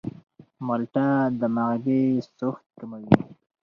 مالټه د معدې سوخت کموي.